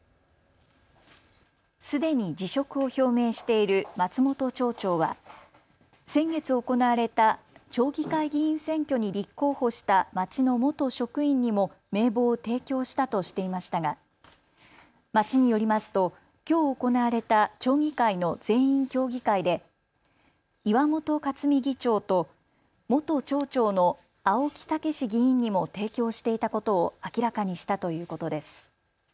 すでに辞職を表明している松本町長は先月行われた町議会議員選挙に立候補した町の元職員にも名簿を提供したとしていましたが町によりますと、きょう行われた町議会の全員協議会で岩本克美議長と元町長の青木健議員にも提供していたことを明らかにしたということです。